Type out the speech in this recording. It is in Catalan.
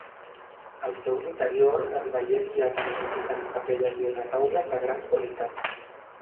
El seu interior es veié aviat enriquit amb capelles i retaules de gran qualitat.